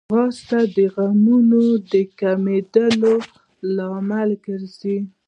ځغاسته د غمونو د کمېدو لامل کېږي